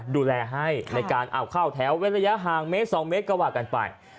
ในการเอาข้าวแถวเวลยะห่างเมตร๒เมตรกว่ากันไป